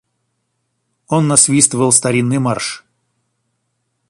Он насвистывал старинный марш.